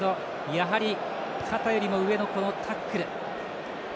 やはり肩よりも上のタックル。